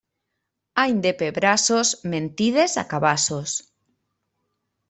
Any de pebrassos, mentides a cabassos.